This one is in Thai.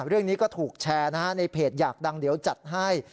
เรื่องนี้ก็ถูกแชร์นะฮะในเพจอยากดังเดี๋ยวจัดให้